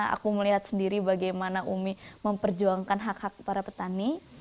aku melihat sendiri bagaimana umi memperjuangkan hak hak para petani